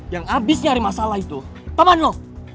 yang abis nyari masalah itu temen lo